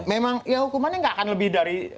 memang ya hukumannya nggak akan lebih dari